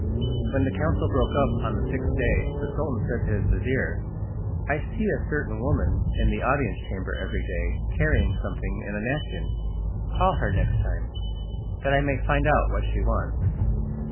When the council broke up on the sixth day the Sultan said to his vizir: "I see a certain woman in the audience chamber every day carrying something in a napkin. Call her next time, that I may find out what she wants."